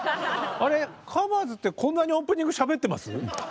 あれ「ＴｈｅＣｏｖｅｒｓ」ってこんなにオープニングしゃべってます